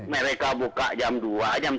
mereka buka jam dua jam